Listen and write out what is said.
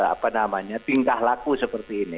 apa namanya tingkah laku seperti ini